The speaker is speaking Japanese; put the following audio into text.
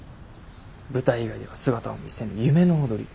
舞台以外では姿を見せぬ夢の踊り子。